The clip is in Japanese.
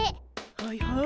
はいはい。